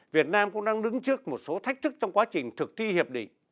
việt nam cũng đang đứng trước một số thách thức trong quá trình thực thi hiệp định